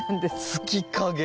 月影。